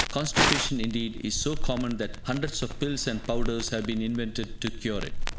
Constipation, indeed, is so common that hundreds of pills and powders have been invented to cure it.